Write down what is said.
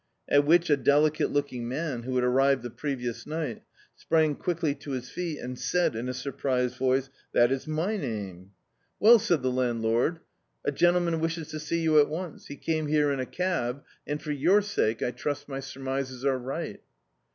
At which a deli cate looking man, who had arrived the previous ni^t, sprang quickly to his feet and said in a surprised voice — "That is my name." "Well," said the land Dictzed by Google The Autobiography of a Super Tramp lord, "a gentleman wishes to sec you at once; he came here in a cab, and, for your sake, I trust my surmises are right."